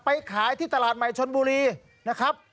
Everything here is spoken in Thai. ขายที่ตลาดใหม่ชนบุรีนะครับ